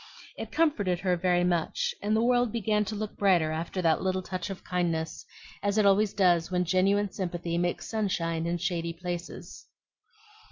It comforted her very much, and the world began to look brighter after that little touch of kindness, as it always does when genuine sympathy makes sunshine in shady places.